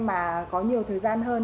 mà có nhiều thời gian hơn